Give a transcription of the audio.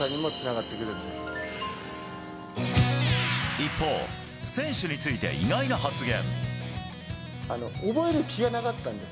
一方、選手について意外な発言。